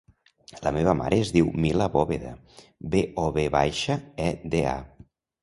La meva mare es diu Mila Boveda: be, o, ve baixa, e, de, a.